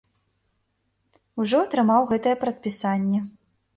Ужо атрымаў гэтае прадпісанне.